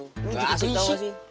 lu juga berisik